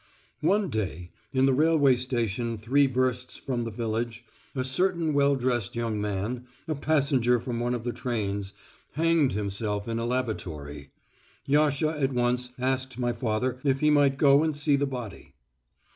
One day, in the railway station three versts from the village, a certain well dressed young man, a passenger from one of the trains, hanged himself in a lavatory. Yasha at once asked my father if he might go and see the body.